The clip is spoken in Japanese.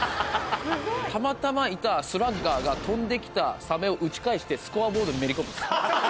たまたまいたスラッガーが飛んできたサメを打ち返してスコアボードにめり込むんです。